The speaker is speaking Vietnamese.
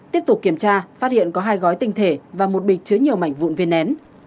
tiếp tục kiểm tra phát hiện có hai gói tinh thể và một bịch chứa nhiều mảnh vụn viên nén